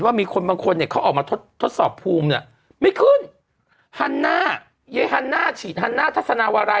หลักสิบยังอยู่ที่หลักสิบละ